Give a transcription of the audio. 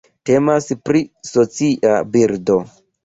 Temas pri socia birdo.